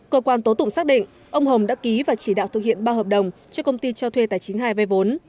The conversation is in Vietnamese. cơ quan tố tụng xác định ông hồng đã ký và chỉ đạo thực hiện ba hợp đồng cho công ty cho thuê tài chính hai vay vốn